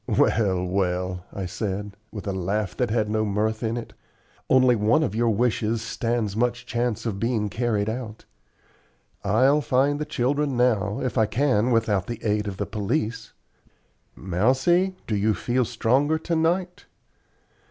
"Well, well," I said, with a laugh that had no mirth in it; "only one of your wishes stands much chance of being carried out. I'll find the children now if I can without the aid of the police. Mousie, do you feel stronger to night?"